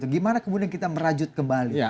gimana kemudian kita merajut kembali